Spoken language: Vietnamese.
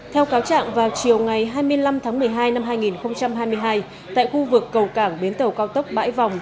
theo cáo trạng vào chiều ngày hai mươi năm tháng một mươi hai năm hai nghìn hai mươi hai tại khu vực cầu cảng biến tàu cao tốc bãi vòng